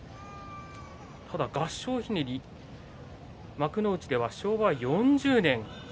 合掌ひねりは幕内では昭和４０年。